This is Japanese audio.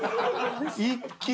一気に。